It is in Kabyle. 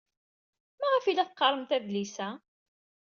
Maɣef ay la teqqaremt adlis-a?